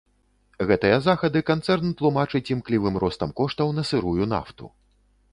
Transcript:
Гэтыя захады канцэрн тлумачыць імклівым ростам коштаў на сырую нафту.